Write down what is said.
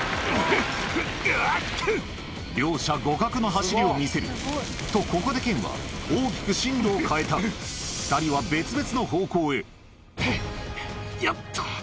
両者互角の走りを見せるとここでケンは大きく進路を変えたはぁはぁよっと！